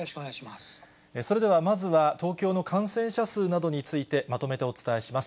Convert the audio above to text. それではまずは、東京の感染者数などについて、まとめてお伝えします。